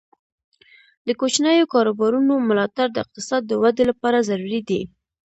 د کوچنیو کاروبارونو ملاتړ د اقتصاد د ودې لپاره ضروري دی.